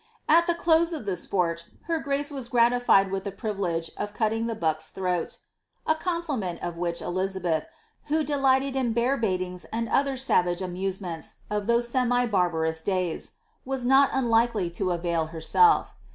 At the close of the sport, her grace was gratified with the privilegQ of cutting the buck's throat,'^ — a com[riiment of which diabeth, who delighted in bear baitings and other savage amosemoits of those semi bar^rous da3rs, was not unlikely to avail herself.